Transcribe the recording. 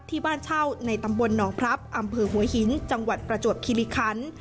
ที่บ้านเช่าในตำบลหนองพลับอำเภอหัวหินจังหวัดประจวบคิริคัน